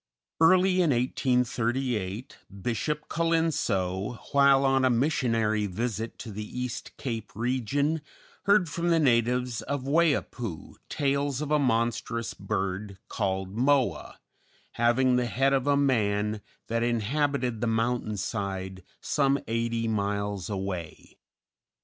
Early in 1838, Bishop Colenso, while on a missionary visit to the East Cape region, heard from the natives of Waiapu tales of a monstrous bird, called Moa, having the head of a man, that inhabited the mountain side some eighty miles away.